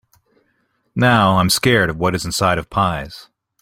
Now, I’m scared of what is inside of pies.